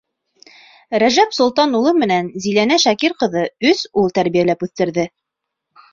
Рәжәп Солтан улы менән Зиләнә Шакир ҡыҙы өс ул тәрбиәләп үҫтерҙе.